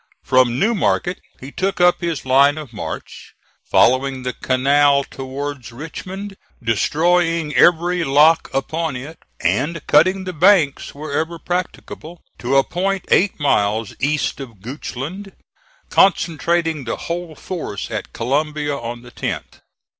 From New Market he took up his line of march, following the canal towards Richmond, destroying every lock upon it and cutting the banks wherever practicable, to a point eight miles east of Goochland, concentrating the whole force at Columbia on the 10th.